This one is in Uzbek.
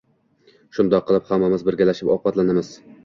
Shundoq qilib hammamiz birgalashib ovqatlanamiz.